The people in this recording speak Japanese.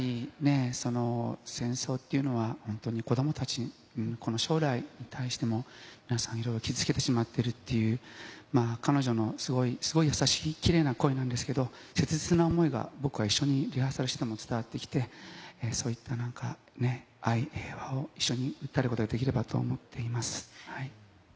戦争というのは本当に子どもたちの将来に対しても傷つけてしまっているという、彼女のすごい優しいキレイな声なんですけれど、切実な思いは一緒にリハーサルをしていて伝わってきて、愛と平和を一緒に訴えることができればと思っています。